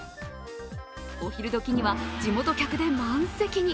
お昼時には地元客で満席に。